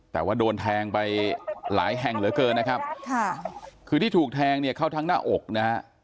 แต่ว่าโดนแทงไปหลายแห่งเหลือเกินนะครับค่ะคือที่ถูกแทงเนี่ยเข้าทั้งหน้าอกนะฮะ